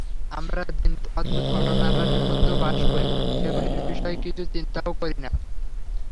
আমরা দিনরাত অদ্ভুত ঘটনারাশির মধ্যে বাস করি, সেগুলির বিষয় কিছু চিন্তাও করি না।